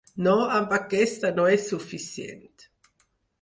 No, amb aquesta no és suficient.